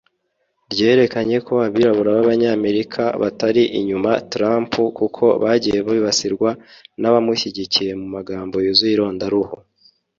ryerekanye ko abirabura b’Abanyamerika batari inyuma Trump kuko bagiye bibasirwa n’abamushyigikiye mu magambo yuzuye irondaruhu